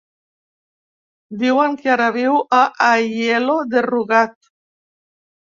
Diuen que ara viu a Aielo de Rugat.